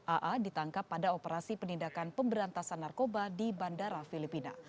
aa ditangkap pada operasi penindakan pemberantasan narkoba di bandara filipina